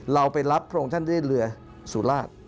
เราไปรับพระองค์ท่านด้วยเรือสุราช